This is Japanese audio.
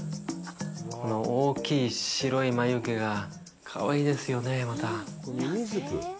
大きい白い眉毛がかわいいですよね、また。